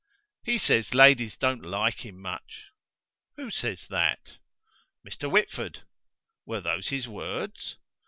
"He says ladies don't like him much." "Who says that?" "Mr. Whitford." "Were those his words?"